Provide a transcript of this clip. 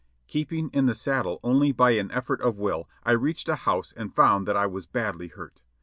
Keeping in the saddle only by an effort of will, I reached a house and found that I was badly hurt.